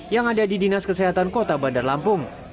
yang ada di dinas kesehatan kota bandar lampung